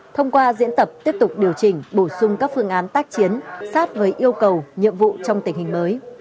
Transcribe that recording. thông qua diễn tập tiếp tục điều chỉnh bổ sung các phương án tác chiến sát với yêu cầu nhiệm vụ trong tình hình mới